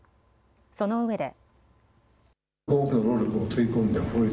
そのうえで。